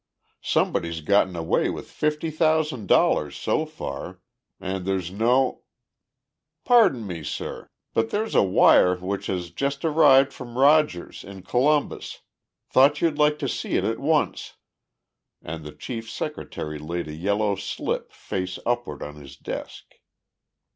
Somebody's gotten away with fifty thousand dollars so far, and there's no " "Pardon me, sir, but here's a wire which has just arrived from Rogers, in Columbus. Thought you'd like to see it at once," and the chief's secretary laid a yellow slip face upward on his desk.